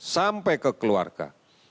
sampai ke keluarga